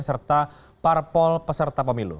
serta para pol peserta pemilu